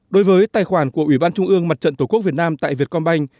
đối với tài khoản của ủy ban trung ương mặt trận tổ quốc việt nam tại việt công banh